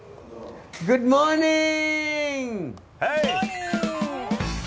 グッモーニン！